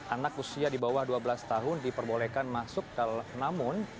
anak usia di bawah dua belas tahun diperbolehkan masuk ke namun